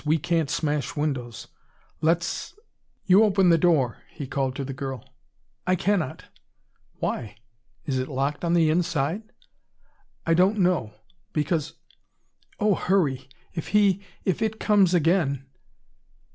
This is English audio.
We can't smash windows. Let's " "You open the door," he called to the girl. "I cannot." "Why? Is it locked on the inside?" "I don't know. Because oh, hurry! If he if it comes again